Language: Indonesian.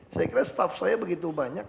saya kira staff saya begitu banyak